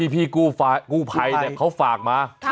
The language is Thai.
พี่กู้ภัยเนี่ยเขาฝากมา